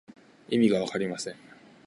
意味がわかりません。